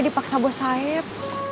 dipaksa bos saeb